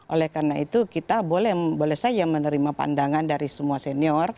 oleh karena itu kita boleh saja menerima pandangan dari semua senior